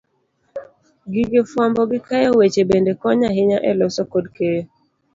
Gige fwambo gi keyo weche bende konyo ahinya e loso kod keyo